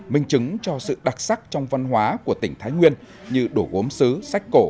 minh chứng cho sự đặc sắc trong văn hóa của tỉnh thái nguyên như đồ gốm xứ sách cổ